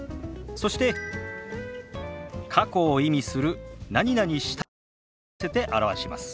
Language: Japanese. そして過去を意味する「した」を合わせて表します。